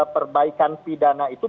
perbaikan pidana itu